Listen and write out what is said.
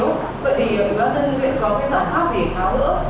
vậy thì bà thân huyện có cái giảm khắc thì tháo nữa